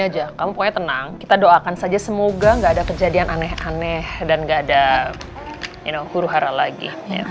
aja kamu pokoknya tenang kita doakan saja semoga nggak ada kejadian aneh aneh dan gak ada huru hara lagi